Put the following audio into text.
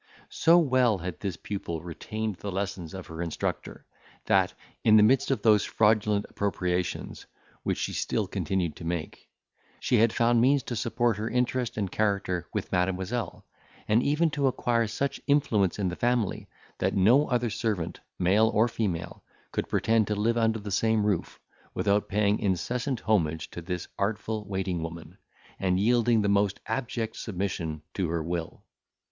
So well had this pupil retained the lessons of her instructor, that, in the midst of those fraudulent appropriations, which she still continued to make, she had found means to support her interest and character with Mademoiselle, and even to acquire such influence in the family, that no other servant, male or female, could pretend to live under the same roof, without paying incessant homage to this artful waiting woman, and yielding the most abject submission to her will.